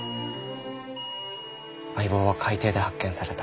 相棒は海底で発見された。